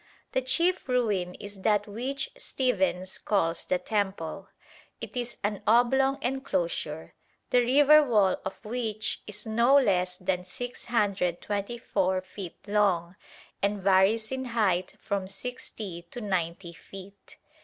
The chief ruin is that which Stephens calls the temple. It is an oblong enclosure, the river wall of which is no less than 624 feet long and varies in height from 60 to 90 feet.